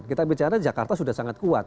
kita bicara jakarta sudah sangat kuat